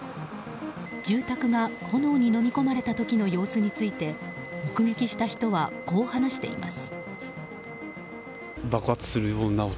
住宅が炎にのみ込まれた時の様子について目撃した人はこう話しています。